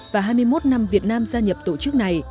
và hai mươi một năm việt nam gia nhập tổ chức này